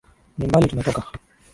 Ni mbali tumetoka